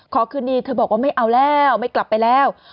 ขอคืนดีเธอบอกว่าไม่เอาแล้วไม่กลับไปแล้ว